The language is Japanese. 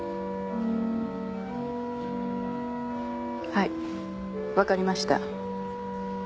はいわかりました。